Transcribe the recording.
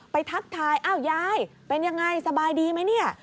ไปทักทายยายเป็นอย่างไรสบายดีไหม